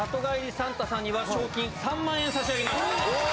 サンタさんには、賞金３万円差し上げます。